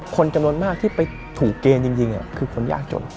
คนจำนวนมากที่ไปถูกเกณฑ์จริงคือคนยากจน